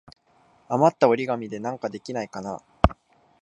あまった折り紙でなんかできないかな。